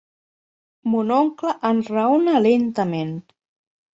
Mon oncle enraona lentament.